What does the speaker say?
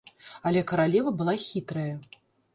Але каралева была хітрая.